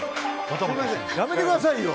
やめてくださいよ。